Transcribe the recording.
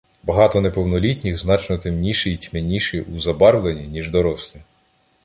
Багато неповнолітніх значно темніші й тьмяніші у забарвленні, ніж дорослі.